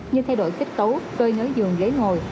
như thay đổi kết cấu cơi nới giường ghế ngồi